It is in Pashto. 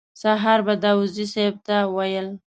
سهار به داوودزي صیب ته ویل.